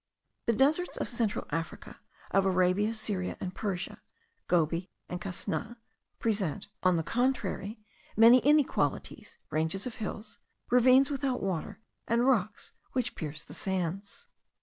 The deserts of central Africa, of Arabia, Syria, and Persia, Gobi, and Casna, present, on the contrary, many inequalities, ranges of hills, ravines without water, and rocks which pierce the sands.